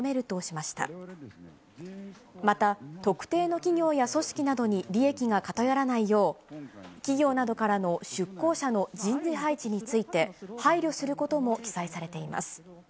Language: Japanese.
また、特定の企業や組織などに利益が偏らないよう、企業などからの出向者の人事配置について、配慮することも記載されています。